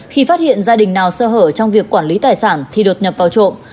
khi phát hiện gia đình nào sơ hở trong việc quản lý tài sản thì đột nhập vào trộm